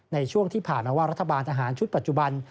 ในช่วงที่ผ่านมาว่ารัฐบาลทหารชุดปัจจุบัน